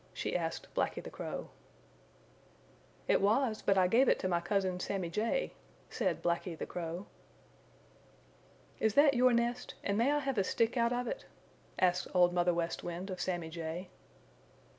she asked Blacky the Crow. "It was, but I gave it to my cousin, Sammy Jay," said Blacky the Crow. "Is that your nest, and may I have a stick out of it?" asked Old Mother West Wind of Sammy Jay.